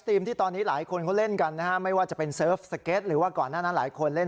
ธีระที่ตอนนี้หลายคนเขาเล่นกันนะฮะไม่ว่าจะเป็นหรือว่าก่อนหน้านั้นหลายคนเล่น